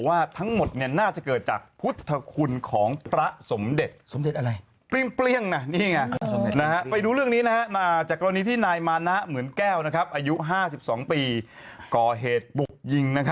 อายุ๕๒ปีก่อเหตุปุกยิง